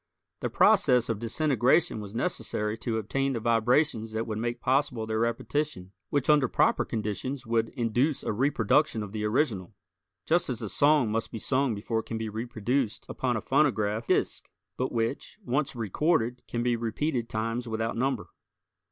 The process of disintegration was necessary to obtain the vibrations that would make possible their repetition, which under proper conditions would induce a reproduction of the original, just as a song must be sung before it can be reproduced upon a phonograph disc, but which, once recorded can be repeated times without number.